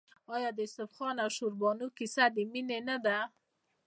آیا د یوسف خان او شیربانو کیسه د مینې نه ده؟